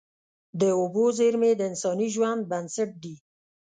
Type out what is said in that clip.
د اوبو زیرمې د انساني ژوند بنسټ دي.